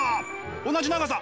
同じ長さ！